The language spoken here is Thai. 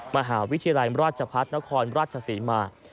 มหาวิทยาลัยราชพัฒนครราชศรีมา